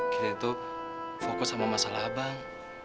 kita itu fokus sama masalah abang